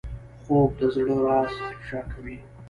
خوب د زړه راز افشا کوي